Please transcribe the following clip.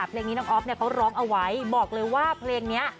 เพลงนี้น้องออฟเขาร้องเอาไว้บอกเลยว่าเพลงนี้